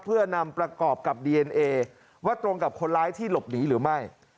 เพื่อนำประกอบกับดีเอนเอว่าตรงกับคนร้ายที่หลบหนีหรือไม่